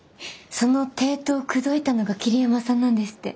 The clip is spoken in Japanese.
その帝都を口説いたのが桐山さんなんですって。